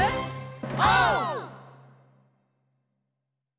オー！